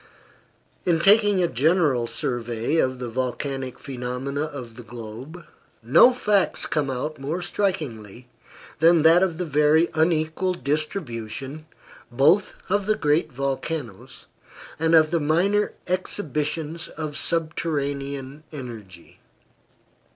In taking a general survey of the volcanic phenomena of the globe, no facts come out more strikingly than that of the very unequal distribution, both of the great volcanoes, and of the minor exhibitions of subterranean energy.